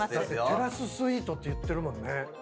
テラススイートっていってるもんね。